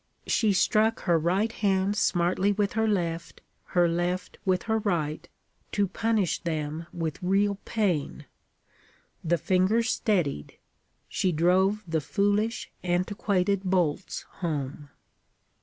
She struck her right hand smartly with her left, her left with her right, to punish them with real pain. The fingers steadied; she drove the foolish, antiquated bolts home.